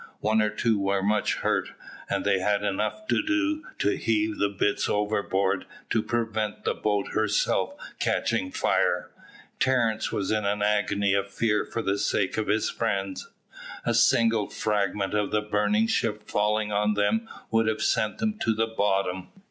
One or two were much hurt, and they had enough to do to heave the bits overboard to prevent the boat herself catching fire. Terence was in an agony of fear for the sake of his friends. A single fragment of the burning ship falling on them would have sent them to the bottom.